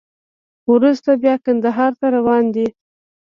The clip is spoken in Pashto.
وروسته بیا کندهار ته روان دی.